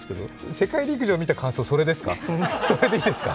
世界陸上を見た感想、それですか？